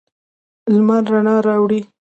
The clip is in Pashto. لمر رڼا راوړي.